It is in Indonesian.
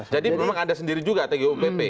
jadi memang ada sendiri juga tgupp